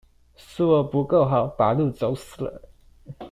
是我不夠好，把路走死了